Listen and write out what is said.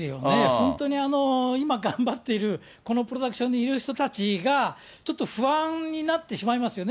本当に今、頑張っている、このプロダクションにいる人たちが、ちょっと不安になってしまいますよね。